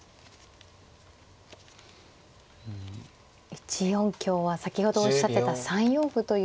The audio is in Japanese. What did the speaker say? １四香は先ほどおっしゃってた３四歩という手が。